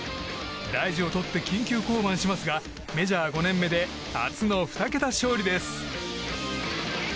大事をとって緊急降板しますがメジャー５年目で初の２桁勝利です。